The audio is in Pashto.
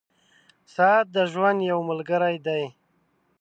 • ساعت د ژوند یو ملګری دی.